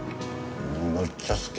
むっちゃ好き。